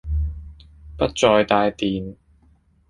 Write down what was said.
不再帶電